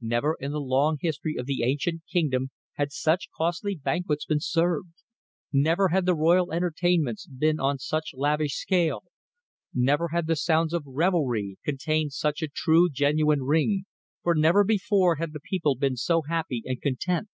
Never in the long history of the ancient kingdom had such costly banquets been served; never had the royal entertainments been on such lavish scale; never had the sounds of revelry contained such a true genuine ring, for never before had the people been so happy and content.